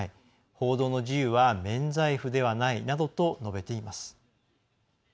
報道の自由は免罪符ではない」などと述べています。